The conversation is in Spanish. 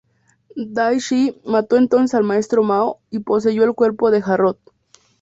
Dai Shi mató entonces al maestro Mao y poseyó el cuerpo de Jarrod.